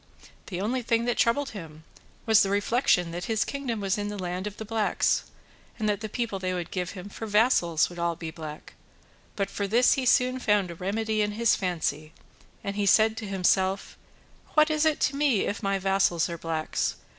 The only thing that troubled him was the reflection that this kingdom was in the land of the blacks, and that the people they would give him for vassals would be all black; but for this he soon found a remedy in his fancy, and said he to himself, "What is it to me if my vassals are blacks?